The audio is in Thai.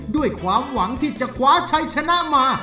ด้วยความหวังที่จะคว้าชัยชนะมา